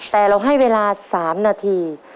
แต่เราให้เวลา๓นาที